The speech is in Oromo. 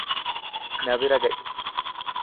Na bira ga'i.